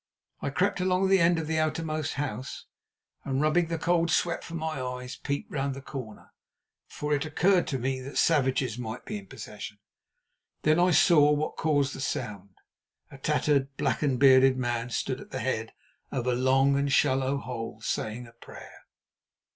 I crept along the end of the outermost house and, rubbing the cold sweat from my eyes, peeped round the corner, for it occurred to me that savages might be in possession. Then I saw what caused the sound. A tattered, blackened, bearded man stood at the head of a long and shallow hole saying a prayer.